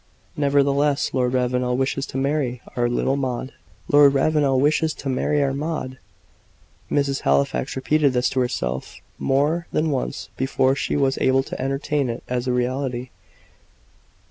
"Nevertheless, Lord Ravenel wishes to marry our little Maud!" "Lord Ravenel wishes to marry our Maud!" Mrs. Halifax repeated this to herself more than once before she was able to entertain it as a reality.